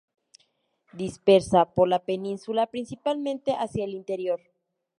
Dispersa por la Península, principalmente hacia el interior.